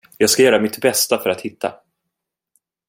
Jag ska göra mitt bästa för att hitta.